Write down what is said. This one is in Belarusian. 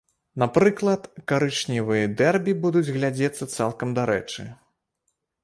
Напрыклад, карычневыя дэрбі будуць глядзецца цалкам дарэчы.